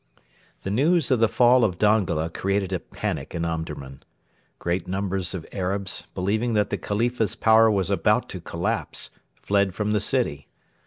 The news of the fall of Dongola created a panic in Omdurman. Great numbers of Arabs, believing that the Khalifa's power was about to collapse, fled from the city.